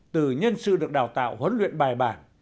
từ nhân sự được đào tạo huấn luyện bài bản